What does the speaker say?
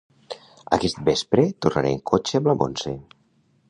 Aquest vespre tornaré en cotxe amb la Montse